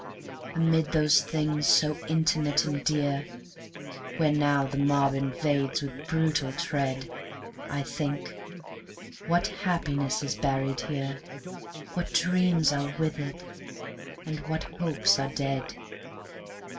Amid those things so intimate and dear, Where now the mob invades with brutal tread, I think: "What happiness is buried here, What dreams are withered and what hopes are dead!"